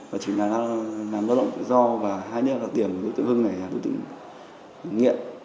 và chỉ là làm ra động tự do và hai đứa đặc điểm của đối tượng hưng này là đối tượng nghiện